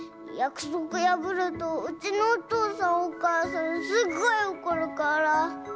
やくそくやぶるとうちのおとうさんおかあさんすっごいおこるから。